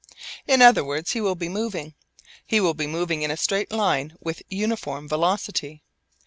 In other words he will be moving. He will be moving in a straight line with uniform velocity.